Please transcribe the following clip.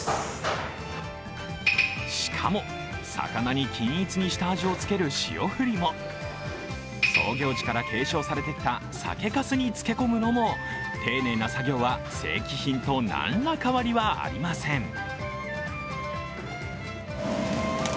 しかも、魚に均一に下味をつける塩振りも創業時から継承されてきた酒かすに漬け込むのも、丁寧な作業は正規品と何ら変わりはありません。